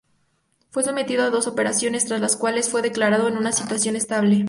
Fue sometido a dos operaciones, tras las cuales fue declarado en una situación estable.